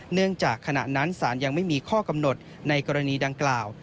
เนื่องจากขณะนั้นศาลยังไม่มีข้อกำหนดในกรณีดังกล่าว